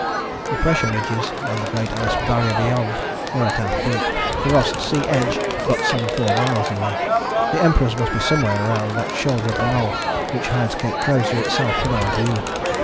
The pressure ridges, and the Great Ice Barrier beyond, were at our feet; the Ross Sea edge but some four miles away. The Emperors must be somewhere round that shoulder of the Knoll which hides Cape Crozier itself from our view.